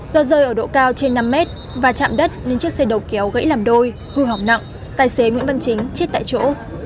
do rơi ở độ cao trên năm mét và chạm đất nên chiếc xe đầu kéo gãy làm đôi hư hỏng nặng tài xế nguyễn văn chính chết tại chỗ